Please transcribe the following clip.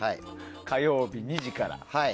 火曜日、２時から。